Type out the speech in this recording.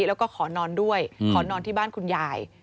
แล้วก็ขอนอนด้วยขอนอนที่บ้านคุณยาย